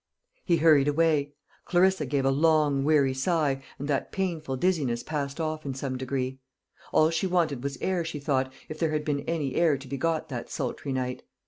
He hurried away. Clarissa gave a long weary sigh, and that painful dizziness passed off in some degree. All she wanted was air, she thought, if there had been any air to be got that sultry night.